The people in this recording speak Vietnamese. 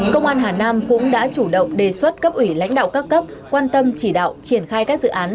công an hà nam cũng đã chủ động đề xuất cấp ủy lãnh đạo các cấp quan tâm chỉ đạo triển khai các dự án